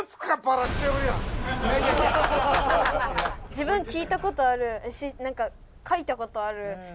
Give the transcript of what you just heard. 自分きいたことあるし書いたことある。